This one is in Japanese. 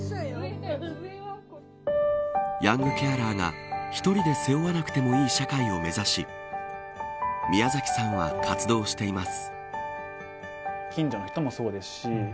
ヤングケアラーが１人で背負わなくてもいい社会を目指し宮崎さんは活動しています。